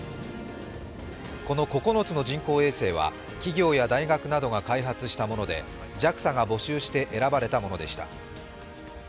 この９つの人工衛星は企業や大学などが開発したものでＪＡＸＡが募集して選ばれたものでした。